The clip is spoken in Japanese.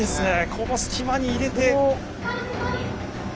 この隙間に入れてどうか。